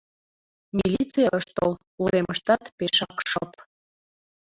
Милиций ыш тол, уремыштат пешак шып.